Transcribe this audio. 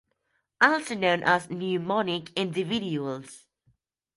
Also known as "pneumonic" individuals.